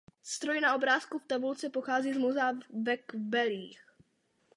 Stroj na obrázku v tabulce pochází z muzea ve Kbelích.